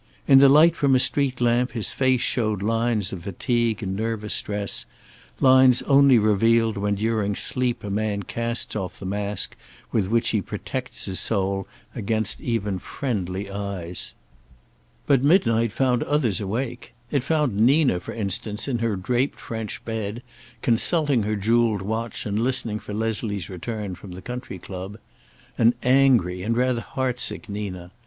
In the light from a street lamp his face showed lines of fatigue and nervous stress, lines only revealed when during sleep a man casts off the mask with which he protects his soul against even friendly eyes. But midnight found others awake. It found Nina, for instance, in her draped French bed, consulting her jeweled watch and listening for Leslie's return from the country club. An angry and rather heart sick Nina.